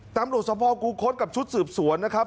ตำรวจสภกูคศกับชุดสืบสวนนะครับ